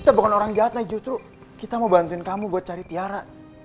kita bukan orang gate justru kita mau bantuin kamu buat cari tiara